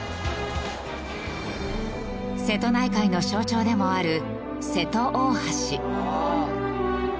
瀬戸内海の象徴でもある瀬戸大橋。